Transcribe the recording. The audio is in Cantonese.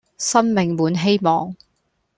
生命滿希望